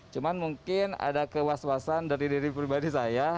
cuma mungkin ada kewas wasan dari diri pribadi saya